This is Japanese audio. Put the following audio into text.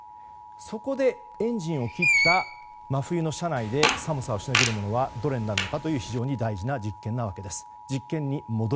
そこで、エンジンを切った真冬の車内で寒さをしのげるものはどれになるのかという非常に大事な実験です。